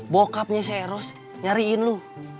bokapnya si eros nyariin lu